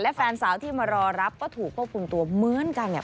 และแฟนสาวที่มารอรับก็ถูกควบคุมตัวเหมือนกันเนี่ย